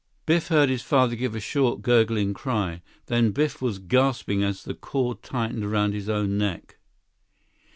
Biff heard his father give a short, gurgling cry. Then Biff was gasping as the cord tightened around his own neck.